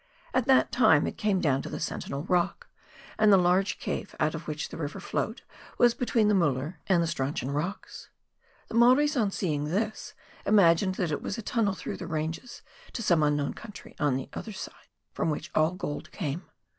At that time it came down to the Sentinel Rock, and the large cave, out of which the river flowed, was between the Mueller and the Strauchon WAIHO RIVER — THE HIGH COUNTRY. 79 E ocks. The Maoris, on seeing this, imagined that it was a tunnel through the Ranges to some unknown country on the other side from which all the gold came.